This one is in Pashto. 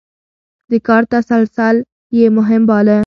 د کار تسلسل يې مهم باله.